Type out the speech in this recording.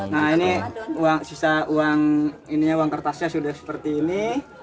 nah ini uang sisa uang ini uang kertasnya sudah seperti ini